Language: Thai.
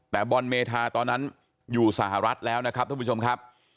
แต่บอลเมธาตอนนั้นอยู่สหรัฐแล้วนะครับท่านผู้ชมครับ